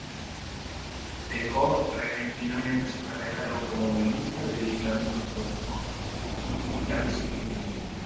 Dejó repentinamente su carrera de automovilista, dedicándose a su otro hobby: el yachting.